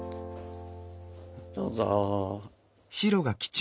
どうぞ。